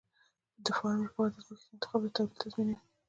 د فارم لپاره د ځمکې ښه انتخاب د تولید تضمینوي.